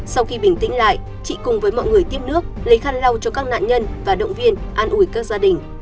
sau khi bình tĩnh lại chị cùng với mọi người tiếp nước lấy khăn lau cho các nạn nhân và động viên an ủi các gia đình